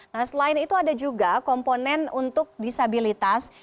nah selain itu ada juga komponen untuk disabilitas